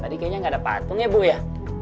tadi kayaknya nggak ada patung ya bu ya